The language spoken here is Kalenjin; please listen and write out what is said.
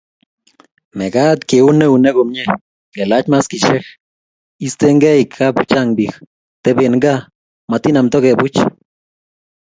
mekat keun eunek komyee, kelach maskisiek, istengei kapchang'bich, teben gaa, matinam toke buch